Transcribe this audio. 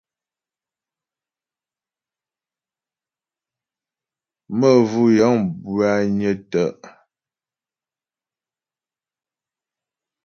Məvʉ́ yə̂ŋ bwányə́ tə́'.